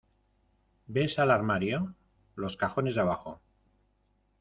¿ ves al armario? los cajones de abajo.